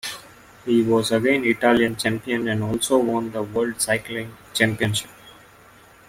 He was again Italian champion and also won the World Cycling Championship.